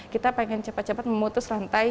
kita kan pengen cepat cepat memutus lantai